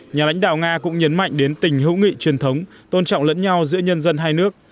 nhà lãnh đạo nga cũng nhấn mạnh đến tình hữu nghị truyền thống tôn trọng lẫn nhau giữa nhân dân hai nước